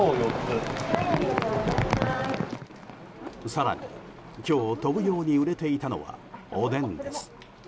更に、今日飛ぶように売れていたのは、おでんです。